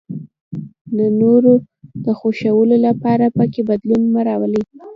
د نورو د خوښولو لپاره پکې بدلون مه راولئ.